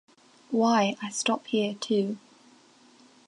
Why, I stop here too.